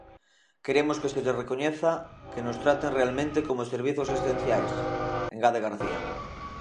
"Queremos que se recoñeza, que nos traten realmente como servizos esenciais", engade García.